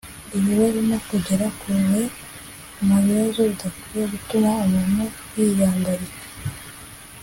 ibibazo no kugera kure mu mibazo bidakwiye gutuma umuntu yiyandarika